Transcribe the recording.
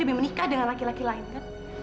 lebih menikah dengan laki laki lain kan